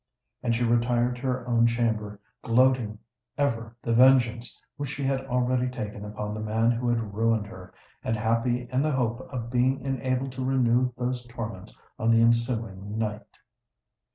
And she retired to her own chamber gloating ever the vengeance which she had already taken upon the man who had ruined her, and happy in the hope of being enabled to renew those torments on the ensuing night.